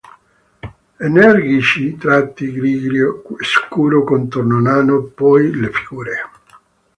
Energici tratti grigio scuro contornano poi le figure.